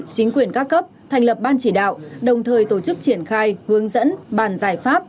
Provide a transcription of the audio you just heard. chính quyền các cấp thành lập ban chỉ đạo đồng thời tổ chức triển khai hướng dẫn bàn giải pháp